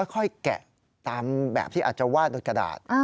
ค่อยแกะตามแบบที่อาจจะวาดรถกระดาษ